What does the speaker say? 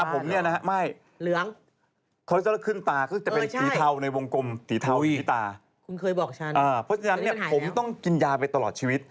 เพราะฉะนั้นผมต้องกินยาไปตลอดชีวิต